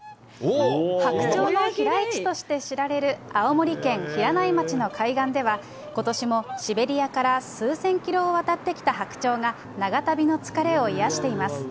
白鳥の飛来地として知られる青森県平内町の海岸では、ことしもシベリアから数千キロを渡ってきた白鳥が長旅の疲れを癒やしています。